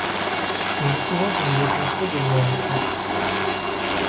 On dit souvent que nous votons trop de lois en France.